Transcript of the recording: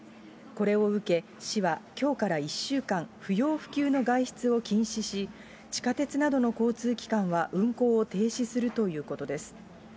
これを受け、市はきょうから１週間、不要不急の外出を禁止し、地下鉄などの交通機関は運行を停止するということです。